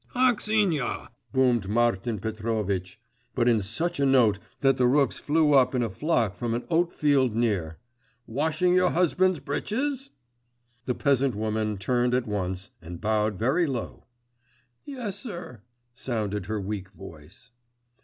'Axinia!' boomed Martin Petrovitch, but in such a note that the rooks flew up in a flock from an oat field near.… 'Washing your husband's breeches?' The peasant woman turned at once and bowed very low. 'Yes, sir,' sounded her weak voice.